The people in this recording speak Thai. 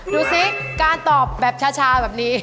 ดูสิการตอบแบบชาแบบนี้